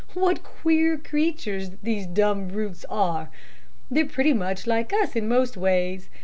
What queer creatures these dumb brutes are. They're pretty much like us in most ways.